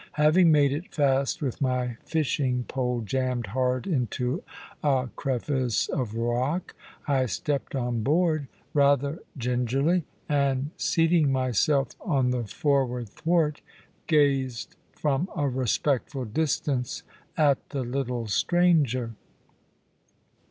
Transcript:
Having made it fast with my fishing pole jammed hard into a crevice of rock, I stepped on board rather gingerly, and, seating myself on the forward thwart, gazed from a respectful distance at the little stranger.